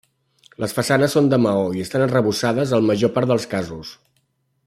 Les façanes són de maó i estan arrebossades la major part dels casos.